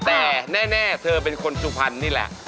แต่แน่เธอเป็นคนสุพรรณนี่แหละ